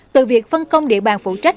từ việc phân công địa bàn phụ trách